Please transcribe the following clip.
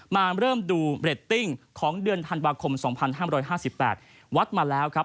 มาเริ่มดูเรตติ้งของเดือนธันวาคม๒๕๕๘วัดมาแล้วครับ